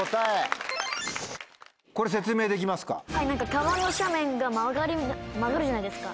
川の斜面が曲がるじゃないですか。